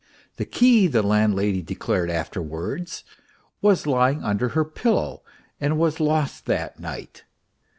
The key, the land lady declared afterwards, was lying under her pillow and was lost that night.